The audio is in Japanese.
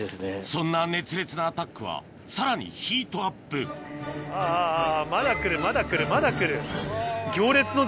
そんな熱烈なアタックはさらにヒートアップあぁあぁまだ来るまだ来るまだ来る。